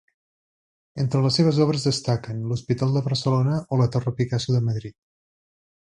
Entre les seves obres destaquen l’Hospital de Barcelona o la Torre Picasso de Madrid.